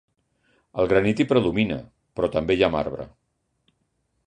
El granit hi predomina, però també hi ha marbre.